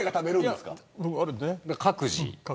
各自。